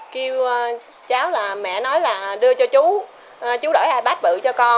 kêu cháu là mẹ nói là đưa cho chú chú đổi ipad bự cho con